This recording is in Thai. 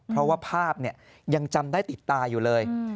เพราะว่าภาพยังจำได้ติดตาอยู่เลย